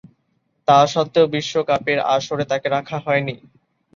তাসত্ত্বেও বিশ্বকাপের আসরে তাকে রাখা হয়নি।